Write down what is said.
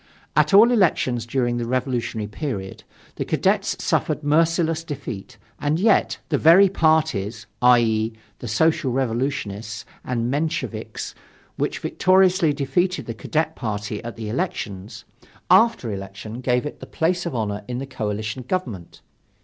At all elections during the revolutionary period, the Cadets suffered merciless defeat, and yet, the very parties i.e., the Social Revolutionists and Mensheviks which victoriously defeated the Cadet party at the elections, after election gave it the place of honor in the coalition government.